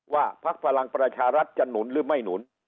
พักพลังประชารัฐจะหนุนหรือไม่หนุน